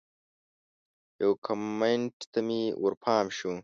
یو کمنټ ته مې ورپام شو